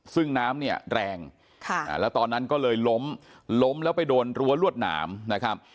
ซึ่งน้ำเนี่ยแรงแล้วตอนนั้นก็เลยล้มล้มแล้วไปโดนรั้วรวดหนามนะครับ